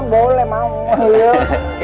boleh mak ya